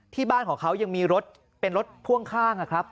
ที่บ้านของเขายังมีรถเป็นรถพ่วงข้างนะครับ